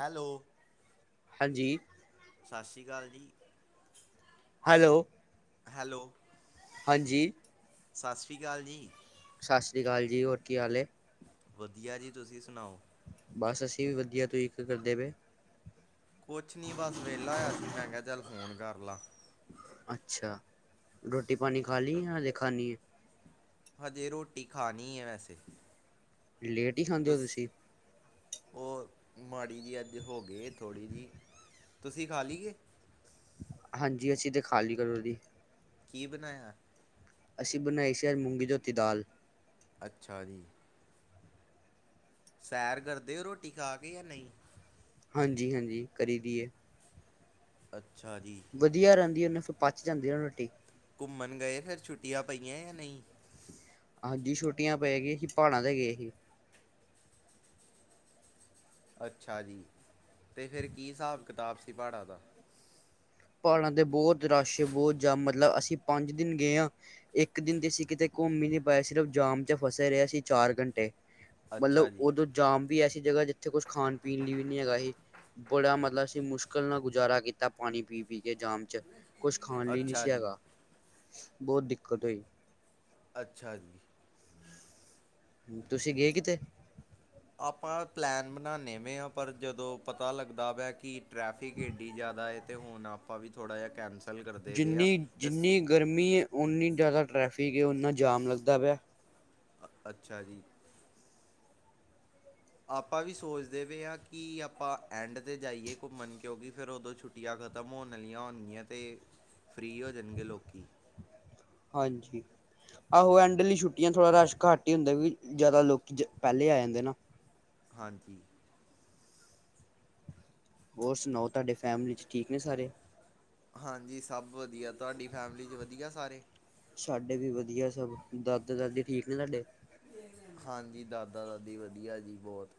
Hello! ਹਾਂਜੀ। ਸਸ ਰੀ ਕਾਲ ਜੀ। ਹੈਲੋ, ਹੈਲੋ, ਹਾਂਜੀ। ਸਸ ਰੀ ਕਾਲ ਜੀ। ਸਸ ਰੀ ਕਾਲ ਜੀ, ਹੋਰ ਕੀ ਹਾਲ ਏ। ਵਧੀਆ ਜੀ ਤੁਸੀਂ ਸੁਣਾਓ ਬਸ ਅਸੀਂ ਵੀ ਵਧੀਆ, ਤੁਸੀਂ ਕੀ ਕਰਦੇ ਪਏ? ਕੁਛ ਨੀ ਬਸ ਵਿਹਲਾ ਹੋਇਆ ਸੀ, ਮੈਂ ਕਿਹਾ ਚੱਲ ਫੋਨ ਕਰ ਲਾ। ਅੱਛਾ ਰੋਟੀ- ਪਾਣੀ ਖਾ ਲੀ ਜਾਂ ਹਜੇ ਖਾਣੀ ਏ। ਹਜੇ ਰੋਟੀ ਖਾਣੀ ਹੈ ਵੈਸੇ ਲੇਟ ਹੀ ਖਾਂਦੇ ਹੋ ਤੁਸ ਤੁਸੀਂ। ਉਹ ਮਾੜੀ ਜੀ ਅੱਜ ਹੋ ਗਏ ਥੋੜ੍ਹੀ ਜਿ ਤੁਸੀਂ ਖਾ ਲਈ ਗੀ। ਹਾਂਜੀ ਅਸੀਂ ਤੇ ਖਾਲੀ ਕਦੋਂ ਦੀ। ਕੀ ਬਣਾਇਆ? ਅਸੀਂ ਬਣਾਈ ਸੀ ਅੱਜ ਮੂੰਗੀ ਧੋਤੀ ਦਾਲ। ਅੱਛਾ ਜੀ। ਸੈਰ ਕਰਦੇ ਹੋ ਰੋਟੀ ਖਾ ਕੇ ਜਾਂ ਨਹੀਂ। ਹਾਂਜੀ -ਹਾਂਜੀ ਕਰੀਦੀ ਏ। ਅੱ ਵਧੀਆ ਰਹਿੰ ਦਾ ਉਹ ਫਿਰ ਪਚ ਜਾਂਦੀ ਐ ਨਾ ਰੋਟੀ। ਘੁੰਮਣ ਗਏ ਫਿਰ ਛੁੱਟੀਆਂ ਪਈਆਂ ਜਾਂ ਨਹੀਂ। ਜੀ ਛੁੱਟੀਆਂ ਪੈ ਗਈਆ ਸੀ, ਪਹਾੜਾਂ ਤੇ ਗਏ ਸੀ। ਅੱਛਾ ਜੀ ਤੇ ਫਿਰ ਕੀ ਹਿਸਾਬ ਕਿਤਾਬ ਸੀ ਪਹਾੜਾਂ ਦਾ। ਪਹਾੜਾਂ ਤੇ ਬਹੁਤ ਰਸ਼ ਬਹੁਤ ਜਾਂ ਮਤਲਬ ਅਸੀਂ ਪੰਜ ਦਿਨ ਗਏ ਹਾਂ ਇੱਕ ਦਿਨ ਤੇ ਅਸੀਂ ਕਿਤੇ ਘੁੰਮ ਹੀ ਨੀ ਪਾਏ ਸਿਰਫ ਜਾਮ ਚ ਫਸੇ ਰਹੇ ਅਸੀਂ ਚਾਰ ਘੰਟੇ। ਮਤਲਬ ਅੱਛਾ ਜੀ ਉਦੋਂ ਜਾਮ ਵੀ ਐਸੀ ਜਗਾ ਜਿੱਥੇ ਕੁਛ ਖਾਣ- ਪੀਣ ਲਈ ਵੀ ਨਹੀਂ ਹੈਗਾ ਸੀ, ਬੜਾ ਮਤਲਬ ਅਸੀਂ ਮੁਸ਼ਕਿਲ ਨਾਲ ਗੁਜ਼ਾਰਾ ਕੀਤਾ ਪਾਣੀ ਪੀ-ਪੀ। ਵੀ ਜੇ ਜਾਮ ਤੇ ਕੁਝ ਖਾਣ ਲਈ ਨਹੀਂ ਅੱਛਾ ਸੀ ਜੀ ਹੈਗਾ। ਬਹੁਤ ਦਿੱਕਤ ਹੋਈ। ਅੱਛਾ ਜੀ। ਤੁਸੀਂ ਗਏ ਕਿਤੇ ਆਪਾਂ ਪਲੈਨ ਬਣਾਨੇ ਪਏ ਆ ਪਰ ਜਦੋਂ ਪਤਾ ਲੱਗਦਾ ਵੈ ਕਿ ਟ੍ਰੈਫਿਕ ਏਡੀ ਜਿਆਦਾ ਤੇ ਹੁਣ ਆਪਾਂ ਵੀ ਥੋੜਾ ਜਿਹਾ ਕੈਂਸਲ ਕਰਦੇ ਪਏ ਹਾਂ ਜਿੰਨੀ ਤੇ ਸ ਜਿੰਨੀ ਗਰਮੀ ਹੈ ਉਨੀ ਜ਼ਿਆਦਾ ਟ੍ਰੈਫਿਕ ਉਨਾ ਜਾਮ ਲੱਗਦਾ ਪਿਆ। ਅ ਅੱਛਾ ਜੀ। ਆਪਾਂ ਵੀ ਸੋਚਦੇ ਪਏ ਹਾਂ ਕਿ ਆਪਾਂ ਐਂਡ ਤੇ ਜਾਈਏ ਘੁੰਮਣ ਕਿਉਂਕਿ ਫਿਰ ਉਦੋਂ ਛੁੱਟੀਆਂ ਖ਼ਤਮ ਹੋਣ ਆਲੀਆਂ ਹੋਣਗੀਆਂ ਤੇ ਫ੍ਰੀ ਹੋ ਜਾਣਗੇ ਲੋਕੀ। ਹਾਂਜੀ ਆਹੋ ਐਂਡ ਲਈ ਛੁੱਟੀਆਂ ਥੋੜ੍ਹਾ ਰਸ਼ ਘੱਟ ਹੀ ਹੁੰਦਾ ਵੀ ਜਿਆਦਾ ਲੋਕ ਪਹਿਲੇ ਆ ਜਾਂਦੇ ਨਾ। ਹਾਂਜੀ। ਹੋਰ ਸੁਣਾਓ ਤੁਹਾਡੇ ਫੈਮਲੀ ਚ ਠੀਕ ਨੇ ਸਾਰੇ। ਹਾਂਜੀ ਸਭ ਵਧੀਆ, ਤੁਹਾਡੀ ਫੈਮਿਲੀ ਚ ਵਧੀਆ ਸਾਰੇ। ਸਾਡੇ ਵੀ ਵਧੀਆ ਸਭ ਦਾਦੇ- ਦਾਦੀ ਠੀਕ ਨੇ ਤੁਹਾਡੇ। ਹਾਂਜੀ ਦਾਦਾ ਦਾਦੀ ਵਧੀਆ ਜੀ ਬਹੁਤ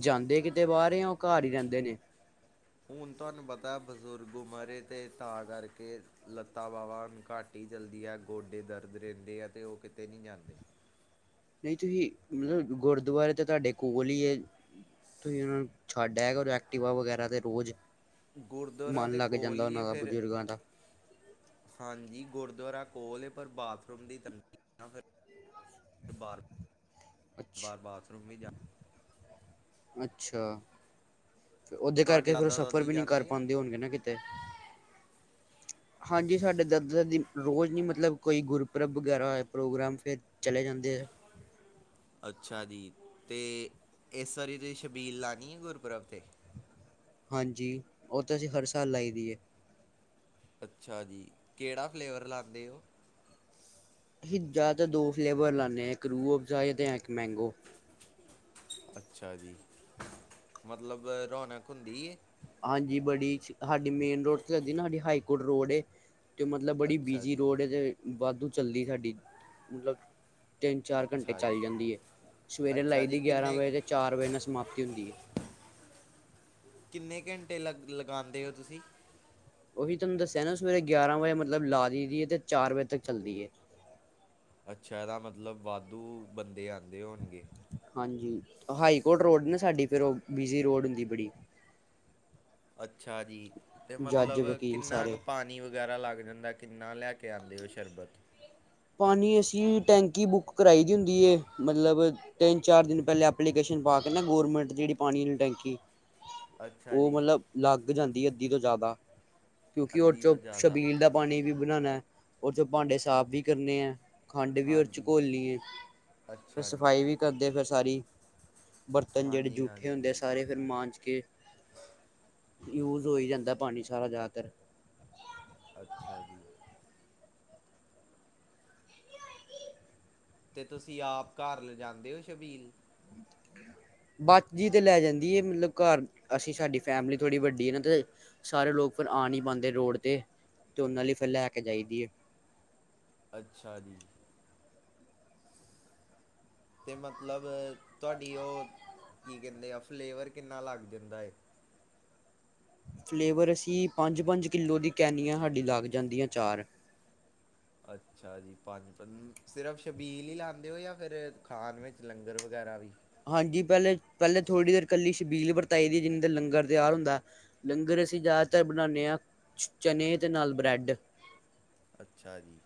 ਜਾਂਦੇ ਕਿਤੇ ਬਾਹਰ ਜਾਂ ਉਹ ਘਰ ਹੀ ਰਹਿੰਦੇ ਨੇ ਹੁਣ ਤੁਹਾਨੂੰ ਪਤਾ ਬਜ਼ੁਰਗ ਉਮਰੇ ਤੇ ਤਾਂ ਕਰਕੇ ਲੱਤਾਂ ਬਾਵਾਾਂੁਣ ਘੱਟ ਹੀ ਚੱਲਦੀ ਹੈ ਗੋਡੇ ਦਰਦ ਰਹਿੰਦੇ ਆ ਅਤੇ ਉਹ ਕਿਤੇ ਨਹੀਂ ਜਾਂਦੇ ਨਹੀਂ ਤੁਸੀਂ ਮਤਲਬ ਗੁਰਦੁਆਰੇ ਤੇ ਤੁਹਾਡੇ ਕੋਲ ਹੀ ਤੁਸੀਂ ਉਹ ਨੂੰ ਛੱਡ ਆਇਆ ਕਰੋ ਐਕਟਿਵਾ ਵਗੈਰਾ ਤੇ ਰੋਜ਼ ਗੁਰਦੁਆਰਾ ਮਨ ਦੇ ਲੱਗ ਕੋਲ ਜਾਂਦਾ ਹੀ ਉਹਨਾਂ ਹੈ ਦਾ ਫਿਰ ਬਜ਼ੁਰਗਾਂ ਦਾ ਹਾਂਜੀ ਗੁਰਦੁਆਰਾ ਕੋਲ ਪਰ ਬਾਥਰੂਮ ਦੀ ਤੰਗੀ ਨਾ ਫਿਰ ਬਾਰ ਬਾਹਰ ਅੱਛਾ ਬਾਥਰੂਮ ਵੀ ਜਾਣਾ ਅੱਛਾ। ਉਦੇ ਤੁਹਾਡੇ ਕਰਕੇ ਫਿਰ ਓ ਦਾਦਾ ਸਫ਼ਰ ਦਾਦੀ ਵੀ ਨੀ ਕਰ ਜਾਂਦੇ ਆ ਪਾਉਂਦੇ ਹੋਣਗੇ ਨਾ ਕਿਤੇ। ਹਾਂਜੀ ਸਾਡੇ ਦਾਦਾ ਦਾਦੀ ਰੋਜ਼ ਨੀ ਮਤਲਬ ਕੋਈ ਗੁਰਪੁਰਬ ਵਗੈਰਾ ਪ੍ਰੋਗਰਾਮ ਫਿਰ ਚਲੇ ਜਾਂਦੇ ਐ ਅੱਛਾ ਜੀ ਤੇ ਇਸ ਵਾਰੀ ਤੁਸੀ ਛਬੀਲ ਲਾਣੀ ਐ ਗੁਰਪੁਰਬ 'ਤੇ ਹਾਂਜੀ ਓ ਤਾਂ ਅਸੀਂ ਹਰ ਸਾਲ ਲਾਈ ਦੀਐ ਅੱਛਾ ਜੀ ਕਿਹੜਾ ਫਲੇਵਰ ਲਾਂਦੇ ਓ ਅਸੀ ਜਾ ਤਾਂ ਦੋ ਫਲੇਵਰ ਲਾਨੇ ਆ ਇੱਕ ਰੂਹ ਅਫਜ਼ਾ ਤੇ ਇੱਕ ਮੈਂਗੋ। ਅੱਛਾ ਜੀ ਮਤਲਬ ਰੌਣਕ ਹੁੰਦੀ ਏ ਹਾਂਜੀ ਬੜੀ ਸਾਡੀ ਮੇਨ ਰੋਡ ਤੇ ਨਾ ਸਾਡੀ ਹਾਈ ਕੋਰਟ ਰੋਡ ਏ ਤੇ ਮਤਲਬ ਬੜੀ ਅੱਛਾ ਬਿਜ਼ੀ ਜੀ ਰੋਡ ਜੇ ਵਾਧੂ ਚੱਲਦੀ ਸਾਡੀ ਮਤਲਬ ਤਿੰਨ ਚਾਰ ਘੰਟੇ ਅੱਛਾ ਚੱਲ ਜੀ ਜਾਂਦੀ ਐ ਸਵੇਰੇ ਅੱਛਾ ਲਾਈ ਜੀ ਦੀ ਗਿਆਰਾਂ ਕਿੰਨੇ ਵਜੇ ਚਾਰ ਵਜੇ ਨਾਲ ਸਮਾਪਤੀ ਹੁੰਦੀ ਏ। ਟੇ ਲਗ ਲਗਾਂਦੇ ਓ ਤੁਸੀਂ ਓਹੀ ਤਨੂੰ ਦੱਸਿਆ ਨਾ ਸਵੇਰੇ ਗਿਆਰਾਂ ਵਜੇ ਮਤਲਬ ਲਾ ਦਈ ਦੀ ਐ ਤੇ ਚਾਰ ਵਜੇ ਤੱਕ ਚੱਲਦੀ ਐ ਅੱਛਾ ਏਦਾ ਮਤਲਬ ਵਾਧੂ ਬੰਦੇ ਆਂਦੇ ਹੋਣਗੇ। ਹਾਂਜੀ ਹਾਈ ਕੋਰਟ ਰੋਡ ਨਾ ਸਾਡੀ ਫਿਰ ਉਹ ਬਿਜੀ ਰੋਡ ਹੁੰਦੀ ਬੜੀ ਅੱ ਛਾ ਜੀ ਤੇ ਜੱਜ ਮਤਲਬ ਵਕੀਲ ਕਿੰਨਾ ਕੁ ਸਾਰੇ ਪਾਣੀ ਵ ਵਗੈਰਾ ਲੱਗ ਜਾਂਦਾ ਕਿੰਨਾ ਲੈ ਕੇ ਆਂਦੇ ਓ ਸ਼ਰਬਤ ਪਾਣੀ ਅਸੀਂ ਟੈਂਕੀ ਬੁੱਕ ਕਰਾਈ ਦੀ ਹੁੰਦੀ ਏ ਮਤਲਬ ਤਿੰਨ ਚਾਰ ਦਿਨ ਪਹਿਲੇ ਐਪਲੀਕੇਸ਼ਨ ਪਾ ਕੇ ਨਾ ਗੌਰਮੈਂਟ ਜੇੜੀ ਪਾਣੀ ਲੀ ਟੈਂਕੀ ਅੱਛਾ ਓ ਜੀ ਮਤਲਬ ਲਗ ਲੱਗ ਜਾਂਦੀ ਅੱਧੀ ਤੋਂ ਜ਼ਿਆਦਾ ਕਿਉਂਕਿ ਅੱਧੀ ਓਚੋਂ ਤੋਂ ਜ਼ਿਆਦਾ ਛਬੀਲ ਦਾ ਪਾਣੀ ਵੀ ਬਣਾਣਾ। ਓਰ ਜੋ ਭਾਂਡੇ ਸਾਫ ਵੀ ਕਰਨੇ ਐ ਖੰਡ ਵੀ ਔਰ ਹਾਂਜੀ ਕੋਲਣੀ ਐ ਫੇ ਅੱਛਾ ਜੀ ਸਫਾਈ ਵੀ ਕਰਦੇ ਫਿਰ ਸਾਰੀ ਬਰਤਨ ਹੈ ਜੇੜ੍ਹੇ ਹਾਂਜੀ ਜੂਠੇ ਹੁੰਦੇ ਐ ਹਾਂਜੀ ਸਾਰੇ ਫਿਰ ਮਾਂਜ ਕੇ ਯੂਜ ਹੋਈ ਜਾਂਦਾ ਪਾਣੀ ਚ ਸਾਰਾ ਜਾਦਾਤਰ ਅੱਛਾ ਜੀ ਤੇ ਤੁਸੀਂ ਆਪ ਘਰ ਲਿਜਾਂਦੇ ਹੋ ਸ਼ਬੀਲ ਬਚ ਜੀ ਤੇ ਲੈ ਜਾਂਦੀ ਐ ਮਤਲਬ ਘਰ ਅਸੀਂ ਸਾਡੀ ਫੈਮਿਲੀ ਥੋੜ੍ਹੀ ਵੱਡੀ ਐ ਨਾ ਤੇ ਸਾਰੇ ਲੋਕ ਫਿਰ ਆ ਨੀ ਪਾਂਦੇ ਰੋਡ ਤੇ ਤੇ ਉਨਾਂ ਲਈ ਫਿਰ ਲੈ ਕੇ ਜਾਈਦੀ ਐ ਅੱਛਾ ਜੀ। ਤੇ ਮਤਲਬ ਤੁਹਾਡੀ ਓ ਕੀ ਕਹਿੰਦੇ ਆ ਫਲੇਵਰ ਕਿੰਨਾ ਲੱਗ ਜਾਂਦਾ ਏ ਫਲੇਵਰ ਅਸੀਂ ਪੰਜ-ਪੰਜ ਕਿੱਲੋ ਦੀ ਕੈਨੀਆਂ ਸਾਡੀ ਲੱਗ ਜਾਂਦੀਆਂ ਚਾਰ। ਅੱਛਾ ਜੀ ਪੰਜ ਸਿਰਫ ਛਬੀਲ ਈ ਲਾਂਦੇ ਓ ਯਾਂ ਫਿਰ ਖਾਣ ਵਿੱਚ ਲੰਗਰ ਵਗੈਰਾ ਵੀ ਹਾਂਜੀ ਪਹਿਲੇ-ਪਹਿਲੇ ਥੋੜ੍ਹੀ ਦੇਰ ਕੱਲੀ ਛਬੀਲ ਵਰਤਾਈ ਦੀ ਜਿੰਨੀ ਦੇ ਲੰਗਰ ਤਿਆਰ ਹੁੰਦਾ ਲੰਗਰ ਅਸੀਂ ਜਾਦਾਤਰ ਬਣਾਦੇ ਆ ਚਨੇ ਤੇ ਨਾਲ ਬ੍ਰੈਡ। ਅੱਛਾ ਜੀ।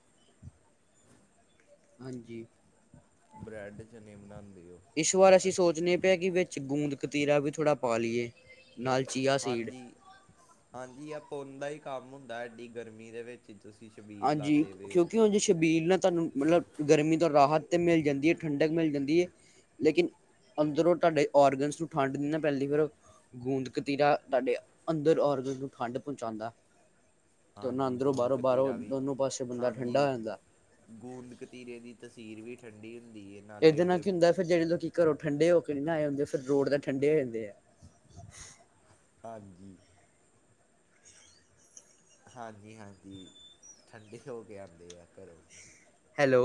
ਹਾਂਜੀ। ਬ੍ਰੈਡ ਚਨੇ ਬਣਾਉਂਦੇ ਹੋ ਇਸ ਵਾਰ ਅ ਅਸੀਂ ਸੋਚਣੇ ਪਏ ਕਿ ਵਿੱਚ ਗੂੰਦ ਕਤੀਰਾ ਵੀ ਥੋੜ੍ਹਾ ਪਾ ਲਈਏ। ਨਾਲ ਚੀਆ ਸੀਡ ਹਾਂਜੀ ਹਾਂਜੀ, ਆ ਪੁੁੰਨ ਦਾ ਹੀ ਕੰਮ ਹੁੰ ਏਡੀ ਗਰਮੀ ਦੇ ਵਿੱਚ ਤੁਸੀਂ ਛਬੀਲ ਹਾਂਜੀ ਲਾਉਂਦੇ ਪਏ ਹੋ ਕਿਉਂਕਿ ੳੰਝ ਸ਼ਬੀਲ ਨਾਲ ਤੁਹਾਨੂੰ ਮਤਲਬ ਗਰਮੀ ਤੋਂ ਰਾਹਤ ਤੇ ਮਿਲ ਜਾਂਦੀ ਹੈ, ਠੰਡਕ ਮਿਲ ਜਾਂਦੀ ਹੈ ਲੇਕਿਨ ਅੰਦਰੋਂ ਤੁਹਾਡੇ ਔਰਗਨਸ ਨੂੰ ਠੰਢ ਨੀ ਪੈਂਦੀ ਫਿਰ ਗੂੰਦ ਕਤੀਰਾ ਤੁਹਾਡੇ ਅੰਦਰ ਔਰਗਨਸ ਨੂੰ ਠੰਢ ਪਹੁੰਚਾਉਂਦਾ। ਤੇ ਉਹਨਾ ਹਾਂਜੀ ਅੰਦਰੋਂ ਗੂੰਦ ਬਾਹਰੋ- ਬਾਹਰੋ ਕਤੀਰਾ ਵੀ ਹਾਂਜੀ, ਗੂੰਦ ਕਤੀਰੇ ਦੀ ਤਸੀਰ ਵੀ ਠੰਡੀ ਹੁੰਦੀ ਹੈ ਨਾਲੇ ਇਹਦੇ ਨਾਲ ਉਹਦੇ ਕੀ ਹੁੰਦਾ ਫਿਰ ਜਿਹੜੇ ਲੋਕੀ ਘਰੋ ਠੰਡੇ ਹੋ ਕੇ ਨੀ ਆਏ ਹੁੰਦੇ ਫੇਰ ਰੋਡ ਤੇ ਠੰਡੇ ਹੋਂਂਦੇ ਏ। ਹਾਂਜੀ। ਹਾਂਜੀ ਹਾਂਜੀ, ਠੰਡੇ ਹੋ ਕੇ ਆਉਂਦੇ ਆ ਘਰੋਂ। ਹੈਲੋ।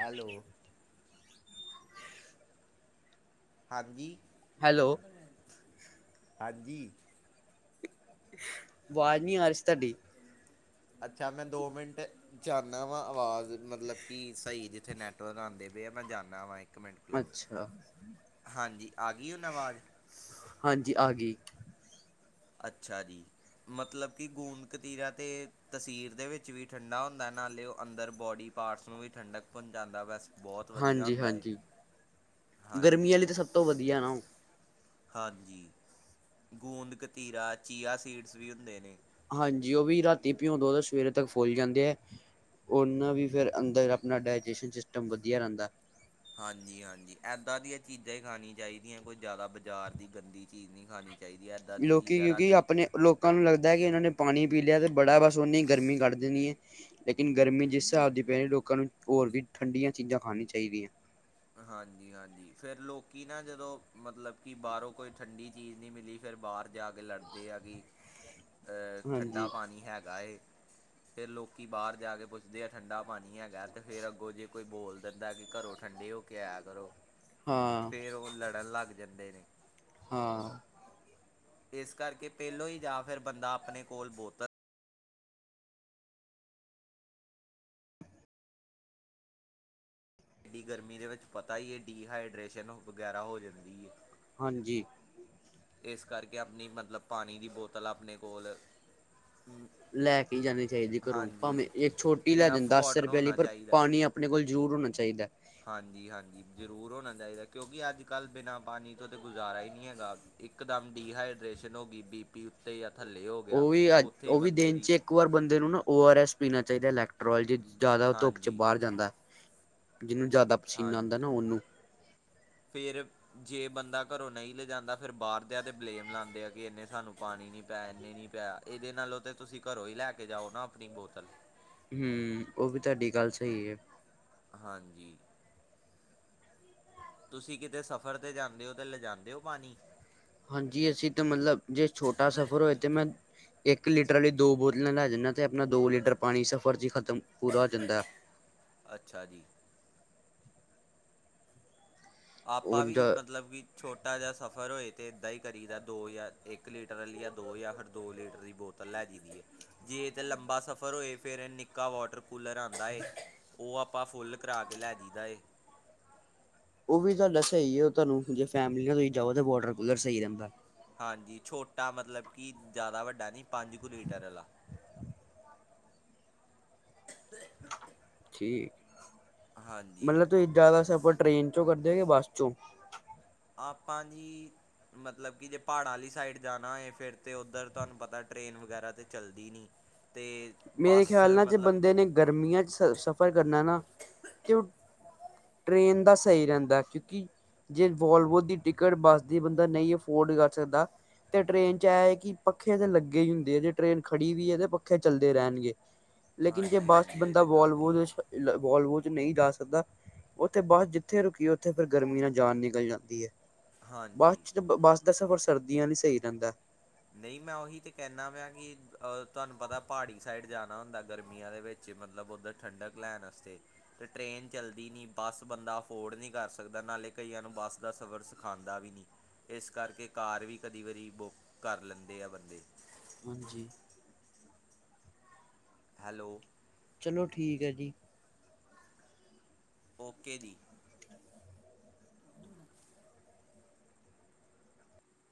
ਹੈਲੋ। ਹਾਂਜੀ। ਹੈਲੋ ਹਾਂਜੀ। ਆਵਾਜ ਨੀ ਆ ਰਹੀ ਸੀ ਤੁਹਾਡੀ। ਅੱਛਾ ਮੈਂ ਦੋ ਮਿੰਟ ਚ ਆਨਾ, ਆਵਾਜ਼ ਮਤਲਬ ਕਿ ਸਹੀ ਜ ਉੱਥੇ ਨੈਟਵਰਕ ਆਉਂਦੇ ਪਏ ਆ ਮੈਂ ਜਾਂਦਾ ਵਾ ਅੱਛਾ। ਹਾਂਜੀ ਆ ਗਈ ਹੁਣ ਆਵਾਜ਼ ਹਾਂਜੀ, ਆ ਗਈ। ਅੱਛਾ ਜੀ, ਮਤਲਬ ਕਿ ਗੂੰਦ ਕਤੀਰਾ ਤੇ ਤਸੀਰ ਦੇ ਵਿੱਚ ਵੀ ਠੰਡਾ ਹੁੰਦਾ ਨਾਲੇ ਉਹ ਅੰਦਰ ਬੋਡੀ ਪਾਰਟਸ ਨੂੰ ਵੀ ਠੰਡਕ ਪਹੁੰਚਾਦਾ ਦੇ, ਬਸ ਬਹੁਤ ਵਧੀਆ ਹਾਂਜੀ ਹੁੰਦਾ ਏ ਹਾਂਜੀ ਗਰਮੀ ਹਾਂਜੀ ਆਲੀ ਤਾਂ ਸਭ ਤੋਂ ਵਧੀਆ ਏ ਨਾ ਉਹ ਹਾਂਜੀ ਗੂੰਦ ਕਤੀਰਾ, ਚੀਆ ਸੀਡਸ ਵੀ ਹੁੰਦੇ ਨੇ। ਹਾਂਜੀ ਉਹ ਵੀ ਰਾਤੀ ਪਿਉਂ ਦੋ ਤੇ ਸਵੇਰੇ ਤੱਕ ਫੁੱਲ ਜਾਂਦੇ ਏ, ਉਹਨਾਂ ਵੀ ਫਿਰ ਅੰਦਰ ਅਪਣਾ ਡਾਇਜੈਸ਼ਨ ਸਿਸਟਮ ਵਧੀਆ ਰਹਿੰਦਾ। ਹਾਂਜੀ ਹਾਂਜੀ, ਏਦਾਂ ਦੀਆਂ ਚੀਜ਼ਾਂ ਹੀ ਖਾਣੀ ਚਾਹੀਦੀਆਂ, ਕੋਈ ਜ਼ਿਆਦਾ ਬਾਜ਼ਾਰ ਦੀ ਗੰਦੀ ਚੀਜ਼ ਨਹੀਂ ਖਾਣੀ ਚਾਹੀਦੀ ਇੱਦਾਂ ਦੀ ਲੋਕੀ ਚੀਜ਼ਾਂ ਕਿਉਂਕਿ ਰਾਤੀ ਅਪਣੇ ਲੋਕਾਂ ਨੂੰ ਲੱਗਦਾ ਕਿ ਇਹਨਾਂ ਨੇ ਪਾਣੀ ਪੀ ਲਿਆ ਅਤੇ ਬੜਾ, ਬਸ ਉਹਨੇ ਗਰਮੀ ਕੱਢ ਦੇਣੀ ਏ। ਲੇਕਿਨ ਗਰਮੀ ਜਿਸ ਹਿਸਾਬ ਦੀ ਪਹਿਣੀ ਲੋਕਾਂ ਨੂੰ ਹੋਰ ਵੀ ਠੰਡੀਆਂ ਚੀਜ਼ਾਂ ਖਾਣੀ ਚਾਹੀਦੀਆਂ। ਹਾਂਜੀ ਹਾਂਜੀ ਫੇਰ ਲੋਕੀ ਨਾ ਜਦੋਂ ਮਤਲਬ ਕਿ ਬਾਹਰੋਂ ਕੋਈ ਠੰਡੀ ਚੀਜ਼ ਨਹੀ ਮਿਲੀ ਫਿਰ ਬਾਹਰ ਜਾ ਕੇ ਲੜਦੇ ਆ ਕਿ ਏ ਠੰਡਾ ਹਾਂਜੀ ਪਾਣੀ ਹੈਗਾ ਏ। ਫੇਰ ਲੋਕੀ ਬਾਹਰ ਜਾ ਕੇ ਪੁੱਛਦੇ ਆ ਠੰਡਾ ਪਾਣੀ ਹੈਗਾ ਤੇ ਫੇਰ ਅੱਗੋਂ ਜੇ ਕੋਈ ਬੋਲ ਦਿੰਦਾ ਕਿ ਘਰੋਂ ਠੰਡੇ ਹੋ ਕੇ ਆਯਾ ਕਰੋ। ਹਾਂ ਫੇਰ ਉਹ ਲੜਨ ਲੱਗ ਦੇਂਦੇ ਨੇ ਹਾਂ ਇਸ ਕਰਕੇ ਪਹਿਲੋਂ ਹੀ ਜਾਂ ਫਿਰ ਬੰਦਾ ਆਪਣੇ ਕੋਲ ਬੋਤਲ ਇੰਨੀ ਗਰਮੀ ਦੇ ਵਿੱਚ ਪਤਾ ਹੀ ਹੈ ਡੀਹਾਈਡਰੇਸ਼ਨ ਵਗੈਰਾ ਹੋ ਜਾਂਦੀ ਏ। ਹਾਂਜੀ। ਇਸ ਕਰਕੇ ਆਪਣੀ ਮਤਲਬ ਪਾਣੀ ਦੀ ਬੋਤਲ ਆਪਣੇ ਕੋਲ ਲੈ ਕੇ ਜਾਣੀ ਚਾਹੀਦੀ ਘਰੋਂ ਹਾਂਜੀ ਭਾਵੇਂ ਇੱਕ ਛੋਟੀ ਲੈ ਜਾਣ ਇਨਫ ਦਸ ਵਾਟਰ ਰੁਪਏ ਲਈ ਹੋਣਾ ਪਰ ਚਾਹੀਦਾ। ਪਾਣੀ ਆਪਣੇ ਕੋਲ ਜ਼ਰੂਰ ਹੋਣਾ ਚਾਹੀਦਾ। ਹਾਂਜੀ, ਹਾਂਜੀ ਜਰੂਰ ਹੋਣਾ ਚਾਹੀਦਾ ਕਿਉਂਕਿ ਅੱਜ ਕੱਲ ਬਿਨਾ ਪਾਣੀ ਤੋਂ ਤੇ ਗੁਜ਼ਾਰਾ ਹੀ ਨਹੀਂ ਹੈਗਾ ਇੱਕ ਦਮ ਡੀਹਾਈਡ੍ਰੇਸ਼ਨ ਹੋ ਗਈ ਬੀਪੀ ਉੱਤੇ ਥੱਲੇ ਹੋ ਗਿਆ ਉਹ ਵੀ ਅ ਉੱਥੇ ਹੀ ਉਹ ਵੀ ਬੰਦੇ ਦਿਨ ਦੀ ਚ ਇੱਕ ਵਾਰ ਬੰਦੇ ਨੂੰ ਨਾ ਓ ਆਰ ਐਸ ਪੀਣਾ ਚਾਹੀਦਾ ਇਲੈਕਟ੍ਰੋਲਜੀਸ ਜ਼ਿਆਦਾ ਉਹ ਧੁੱਪ ਚ ਹਾਂਜੀ ਬਾਹਰ ਜਾਂਦਾ। ਜਿਹਨੂੰ ਜ਼ਿਆਦਾ ਪਸੀਨਾ ਆਂਦਾ ਹਾਂਜੀ ਨਾ ਉਹ ਨੂੰ ਫਿਰ ਜੇ ਬੰਦਾ ਘਰੋਂ ਨਹੀਂ ਲੈ ਜਾਦਾ ਫਿਰ ਬਾਹਰਦਿਆਂ ਤੇ ਬਲੇਮ ਲਾਦੇ ਕਿ ਇੰਨੇ ਸਾਨੂੰ ਪਾਣੀ ਨੀ ਪੈ ਇਨੇ ਨੀ ਪੈ ਆਇਆ ਇਹਦੇ ਨਾਲੋਂ ਤੇ ਤੁਸੀਂ ਘਰੋਂ ਹੀ ਲੈ ਕੇ ਜਾਓ ਨਾ ਆਪਣੀ ਬੋਤਲ। ਹੂੰ ਉਹ ਵੀ ਤੁਹਾਡੀ ਗੱਲ ਸਹੀ ਏ। ਹਾਂਜੀ। ਤੁਸੀਂ ਕਿਤੇ ਸਫ਼ਰ ਤੇ ਜਾਂਦੇ ਹੋ ਤੇ ਲੈਜਾਦੇ ਹੋ ਪਾਣੀ। ਹਾਂਜੀ ਅਸੀਂ ਤਾਂ ਮਤਲਬ ਜੇ ਛੋਟਾ ਸਫ਼ਰ ਹੋਏ ਤੇ ਮੈਂ ਇੱਕ ਲੀਟਰ ਆਲੀ ਦੋ ਬੋਤਲਾਂ ਲੈ ਜਾਣਾ ਤੇ ਆਪਣਾ ਦੋ ਲੀਟਰ ਪਾਣੀ ਸਫ਼ਰ ਚ ਹੀ ਖਤਮ ਪੂਰਾ ਹੋ ਜਾਂਦਾ ਹੈ। ਅੱਛਾ ਜੀ ਆਪਾ ਉਹ ਵੀ ਮਤਲਬ ਕਿ ਛੋਟਾ ਜਿਹਾ ਸਫ਼ਰ ਹੋਏ ਤੇ ਏਦਾਂ ਹੀ ਕਰੀਦਾ ਦੋ ਜਾਂ ਇੱਕ ਲੀਟਰ ਆਲੀ ਜਾਂ ਦੋ ਜਾਂ ਫਿਰ ਦੋ ਲੀਟਰ ਦੀ ਬੋਤਲ ਲੈ ਜੀਦੀ ਏ ਜੇ ਤੇ ਲੰਬਾ ਸਫ਼ਰ ਹੋਏ ਫੇਰ ਨਿੱਕਾ ਵਾਟਰ ਕੂਲਰ ਆਦਾ ਏ। ਉਹ ਆਪਾਂ ਫੁੱਲ ਕਰਾ ਕੇ ਲੈ ਜੀਦਾ ਏ। ਉਹ ਵੀ ਤੁਹਾਡਾ ਸਹੀ ਏ ਤੁਹਾਨੂੰ ਜੇ ਫੈਮਲੀ ਨਾਲ ਤੁਸੀਂ ਜਾਓ ਤਾਂ ਵੋਟਰ ਕੂਲਰ ਸਹੀ ਰਹਿੰਦਾ। ਹਾਂਜੀ ਛੋਟਾ ਮਤਲਬ ਕਿ ਜ਼ਿਆਦਾ ਵੱਡਾ ਨੀ ਪੰਜ ਕੁ ਲੀਟਰ ਆਲਾ। [unintelligible] ਮਤਲਬ ਤੁਸੀਂ ਜ਼ਿਆਦਾ ਸਫ਼ਰ ਟ੍ਰੇਨ ਚੋਂ ਕਰਦੇ ਬਸ ਚੋਂ ਆਪਾਂ ਜੀ ਮਤਲਬ ਕਿ ਜੇ ਪਹਾੜਾਂ ਆਲੀ ਸਾਈਡ ਜਾਣਾ ਹੋਏ ਫਿਰ ਤਾਂ ਉੱਧਰ ਤੁਹਾਨੂੰ ਪਤਾ ਟ੍ਰਰੇਨ ਵਗੈਰਾ ਤਾਂ ਚੱਲਦੀ ਨਹੀਂ ਅਤੇ ਮੇਰੇ ਬੱਸ ਖਿਆਲ ਨਾਲ ਜੇ ਮਤਲਬ ਬੰਦੇ ਨੇ ਗਰਮੀਆਂ ਚ ਸਫ਼ਰ ਕਰਨਾ ਨਾ ਤੇ ਉਹ ਟ੍ਰੇਨ ਦਾ ਸਹੀ ਰਹਿੰਦਾ ਕਿਉਂਕਿ ਜੇ ਵੋਲਵੋ ਦੀ ਟਿਕਟ ਬੱਸ ਦੀ ਬੰਦਾ ਨਹੀਂ ਅਫੋਰਡ ਕਰ ਸਕਦਾ ਤੇ ਟ੍ਰੇਨ ਚ ਇਹ ਹੈ ਕਿ ਪੱਖੇ ਤਾਂ ਲੱਗੇ ਹੀ ਹੁੰਦੇ ਆ ਜੇ ਟ੍ਰੇਨ ਖੜੀ ਵੀ ਹੈ ਤੇ ਪੱਖੇ ਚੱਲਦੇ ਰਹਿਣਗੇ। ਲੇਕਿਨ ਜੇ ਹਾਂਜੀ ਬਸ ਹਾਂਜੀ ਇਹ ਬੰਦਾ ਤਾਂ ਵੋ ਗੱਲ ਠੀਕ ਹੈ ਵੋਲਵੋ ਨਹੀਂ ਜਾ ਸਕਦਾ ਉੱਥੇ ਬਸ ਜਿੱਥੇ ਰੁਕੀਏ ਉੱਥੇ ਫਿਰ ਗਰਮੀ ਨਾਲ ਜਾਨ ਨਿਕਲ ਜਾਂਦੀ ਏ ਬਸ ਹਾਂਜੀ ਚ ਬਸ ਦਾ ਸਫ਼ਰ ਸਰਦੀਆਂ ਨੀ ਸਹੀ ਰਹਿੰਦਾ ਨਹੀਂ ਮੈਂ ਉਹੀ ਤੇ ਕਹਿਣਾ ਪਿਆ ਕਿ ਤੁਹਾਨੂੰ ਪਤਾ ਪਹਾੜੀ ਸਾਈਡ ਜਾਣਾ ਹੁੰਦਾ ਗਰਮੀਆਂ ਦੇ ਵਿੱਚ ਮਤਲਬ ਉੱਧਰ ਠੰਡਕ ਲੈਣ ਵਾਸਤੇ ਤੇ ਟ੍ਰੇਨ ਚੱਲਦੀ ਨਹੀਂ ਬੱਸ ਬੰਦਾ ਅਫੋਰਡ ਨਹੀਂ ਕਰ ਸਕਦਾ ਨਾਲੇ ਕਈਆਂ ਨੂੰ ਬੱਸ ਦਾ ਸਫ਼ਰ ਸਿਖਾਦਾ ਵੀ ਨਹੀਂ ਇਸ ਕਰਕੇ ਕਾਰ ਵੀ ਕਦੀ ਵਾਰੀ ਬੁੱਕ ਕਰ ਲੈਂਦੇ ਆ ਬੰਦੇ ਹਾਂਜੀ ਹੈਲੋ ਚਲੋ ਠੀਕ ਹੈ ਜੀ ਓਕੇ ਦੀ